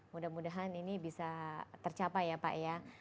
mudah mudahan ini bisa tercapai ya pak ya